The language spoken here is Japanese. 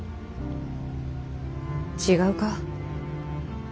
違うか？